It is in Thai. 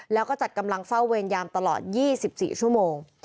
แล้วก็จัดกำลังเฝ้าเวรยามตลอด๒๔ชั่วโมง